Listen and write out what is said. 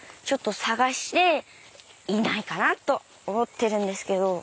探していないかなと思ってるんですけど。